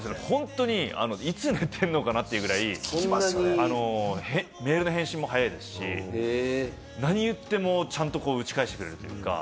いつ寝てんのかってぐらい、メールの返信も早いですし、何言っても、ちゃんと打ち返してくれる。